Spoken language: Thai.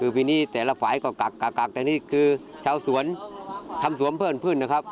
ปีนี้แต่ละฝ่ายกักก็คือมาทำเสวนเพิ่มพื้น